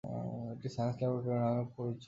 এটি science laboratory নামেও পরিচিত।